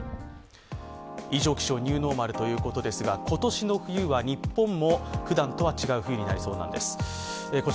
異常気象、ニューノーマルということですが今年の冬は日本もふだんとは違う冬になりそうなんです。